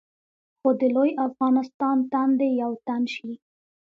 خو د لوی افغانستان تن دې یو تن شي.